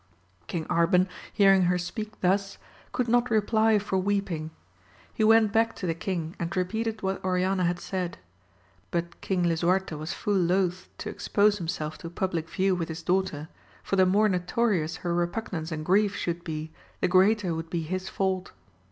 King Arban hearing her speak thus, could not reply for weeping : he went back to the king and repeated what Oriana had said, but Eang Lisuarte was full loth to expose himself to public view with his daughter, for the more notorious her repugnance and grief should be, the greater would be his fault.